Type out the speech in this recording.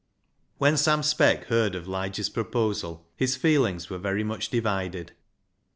When Sam Speck heard of Lige's proposal his feelings were very much divided.